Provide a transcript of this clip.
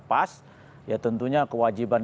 pas ya tentunya kewajiban